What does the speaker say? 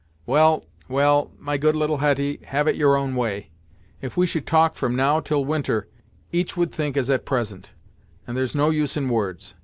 "Well well my good little Hetty, have it your own way. If we should talk from now till winter, each would think as at present, and there's no use in words.